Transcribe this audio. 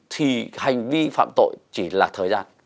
thì hành vi phạm tội chỉ là thời gian